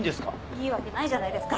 いいわけないじゃないですか。